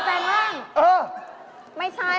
เฮ้ยไม่ใช่